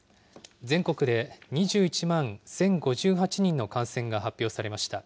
全国で２１万１０５８人の感染が発表されました。